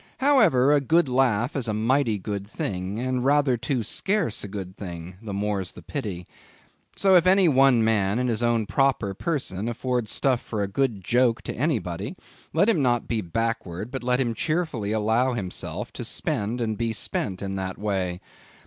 However, a good laugh is a mighty good thing, and rather too scarce a good thing; the more's the pity. So, if any one man, in his own proper person, afford stuff for a good joke to anybody, let him not be backward, but let him cheerfully allow himself to spend and be spent in that way.